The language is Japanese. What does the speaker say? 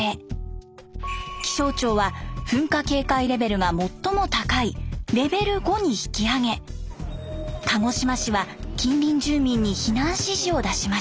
気象庁は噴火警戒レベルが最も高いレベル５に引き上げ鹿児島市は近隣住民に避難指示を出しました。